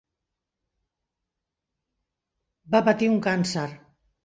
Va patir un càncer.